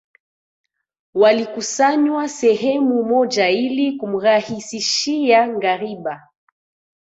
Walikusanywa sehemu moja ili kumrahisishia ngariba